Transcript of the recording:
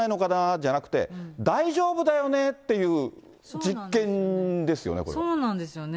じゃなくて、大丈夫だよねっていう実験そうなんですよね。